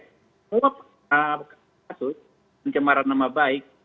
semua kasus pencemaran nama baik